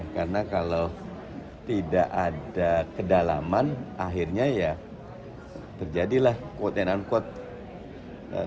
karena kalau tidak ada kedalaman akhirnya ya terjadilah quote and unquote